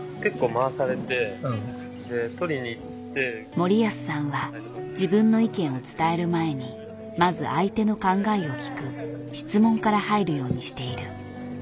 森保さんは自分の意見を伝える前にまず相手の考えを聞く「質問」から入るようにしている。